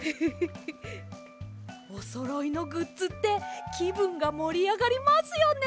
おそろいのグッズってきぶんがもりあがりますよね！